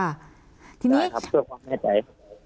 อะไรยะครับส่วนความแม่ใจ